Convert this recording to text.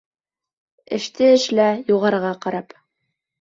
Эште эшлә юғарыға ҡарап